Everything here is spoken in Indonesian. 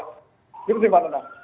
itu yang saya penasaran